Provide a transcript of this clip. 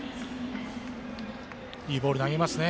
いいボール投げますね